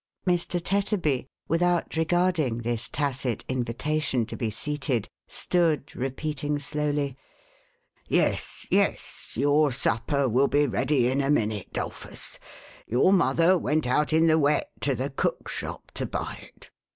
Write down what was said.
Mr. Tetterby, without regarding this tacit invitation to be seated, stood repeating slowly, "Yes, yes, your supper will be ready in a minute, 'Dolphus — your mother went out in the wet, to the cook's shop, to buy it.